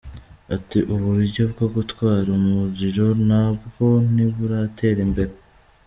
Ati “Uburyo bwo gutwara umuriro na bwo ntiburatera imbere.